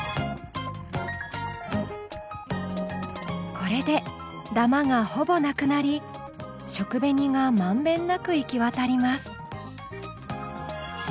これでだまがほぼなくなり食紅が満遍なく行き渡ります。